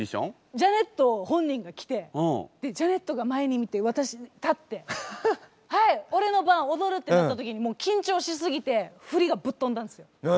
ジャネット本人が来てジャネットが前にいて私立ってはいオレの番踊るってなった時にもう緊張しすぎて振りがぶっ飛んだんですよ。